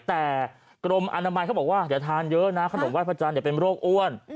แต่กรมอนามัยเขาบอกว่าอย่าทานเยอะนะขนมไห้พระจันทร์เป็นโรคอ้วน